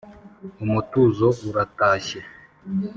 Umutuzo uratashye